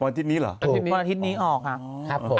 อันอาทิตย์นี้อ่ะอันอาทิตย์นี้ออกครับ